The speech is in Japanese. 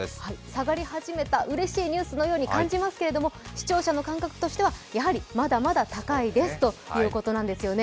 下がり始めたうれしいニュースのように感じますが、視聴者の感覚としてはやはりまだまだ高いですということなんですよね。